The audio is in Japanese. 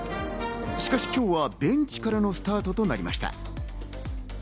しかし、今日はベンチからのスタートとなりました。